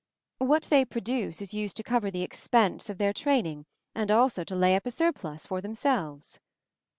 What they produce is used to cover the expense of their train ing, and also to lay up a surplus for them selves."